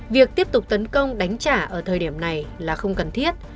việc tiếp tục tấn công đánh trả ở thời điểm này là không cần thiết